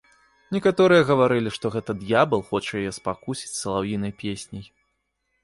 Некаторыя гаварылі, што гэта д'ябал хоча яе спакусіць салаўінай песняй.